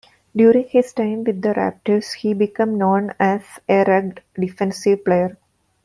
During his time with the Raptors he became known as a rugged defensive player.